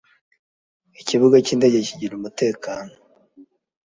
ikibuga cy’ indege kigira umutekano.